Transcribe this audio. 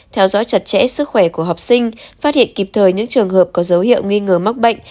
theo dõi chặt chẽ sức khỏe của học sinh phát hiện kịp thời những trường hợp có dấu hiệu nghi ngờ mắc bệnh